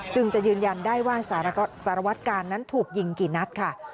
จึงจะยืนยันได้ว่าสารวัตกาลนั้นถูกยิงกี่นัดค่ะ